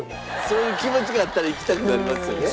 そういう気持ちがあったら行きたくなりますよね。